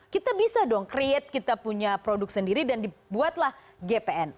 kita bisa dong create kita punya produk sendiri dan dibuatlah gpn